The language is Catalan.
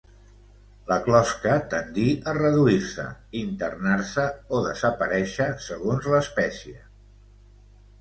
La closca tendí a reduir-se, internar-se o desaparèixer, segons l'espècie.